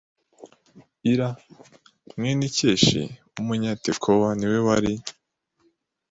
Ira mwene Ikeshi w Umunyatekowa ni we wari